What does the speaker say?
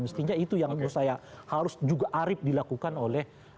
mestinya itu yang menurut saya harus juga arif dilakukan oleh